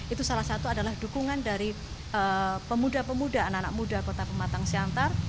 itu salah satu adalah dukungan dari pemuda pemuda anak anak muda kota pematang siantar